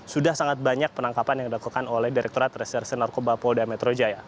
sudah sangat banyak penangkapan yang dilakukan oleh direkturat reserse narkoba polda metro jaya